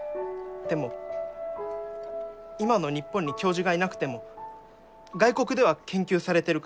でも今の日本に教授がいなくても外国では研究されてるかも。